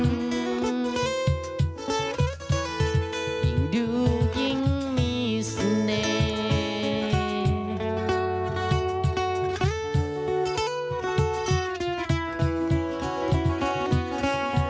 ยิ่งดูยิ่งมีเสน่ห์